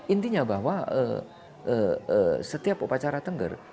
intinya bahwa setiap upacara tengger